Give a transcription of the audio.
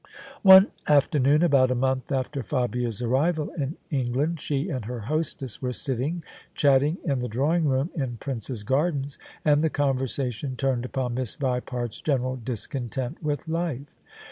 One afternoon, about a month after Fabia's arrival in England, she and her hostess were sitting chatting in the drawing room in Prince's Gardens; and the conversation turned upon Miss Vipart's general discontent with life.